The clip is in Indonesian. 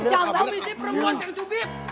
kamu bisa jalan kamera kaya tipu ya